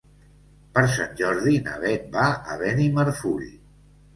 Per Sant Jordi na Beth va a Benimarfull.